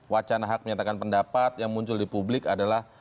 wacana hak menyatakan pendapat yang muncul di publik adalah